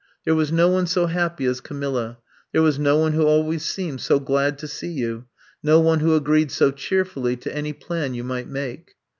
There was no one so happy as Camilla, there was no one who always seemed so glad to see you, no one who agreed so cheer fully to any plan you might make.